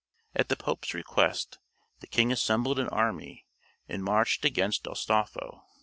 At the Pope's request the king assembled an army, and marched against Astolpho.